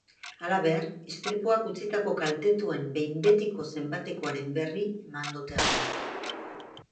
Halaber, istripuak utzitako kaltetuen behin betiko zenbatekoaren berri eman dute gaur.